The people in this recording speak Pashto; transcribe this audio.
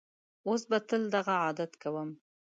اوس به تل دغه عادت کوم.